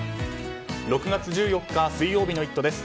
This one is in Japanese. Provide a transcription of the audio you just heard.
６月１４日水曜日の「イット！」です。